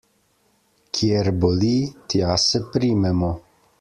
Kjer boli, tja se primemo.